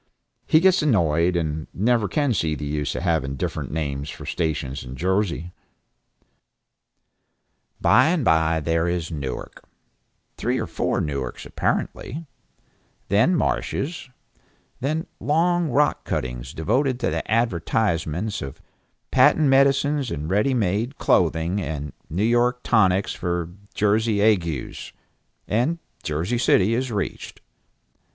He gets annoyed, and never can see the use of having different names for stations in Jersey. By and by there is Newark, three or four Newarks apparently; then marshes; then long rock cuttings devoted to the advertisements of patent medicines and ready made, clothing, and New York tonics for Jersey agues, and Jersey City is reached.